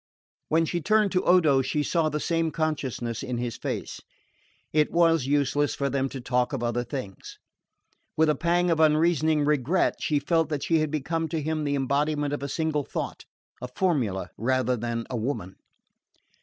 When she turned to Odo she saw the same consciousness in his face. It was useless for them to talk of other things. With a pang of unreasoning regret she felt that she had become to him the embodiment of a single thought a formula, rather than a woman.